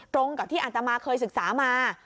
ตรงกับที่อัตมาเคยศึกษามา